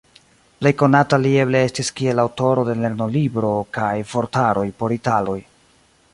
Plej konata li eble estis kiel aŭtoro de lernolibro kaj vortaroj por italoj.